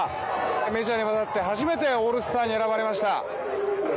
メジャーに渡って、初めてオールスターに選ばれました。